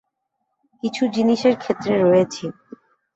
কিছু জিনিসের ক্ষেত্রে রয়েছি।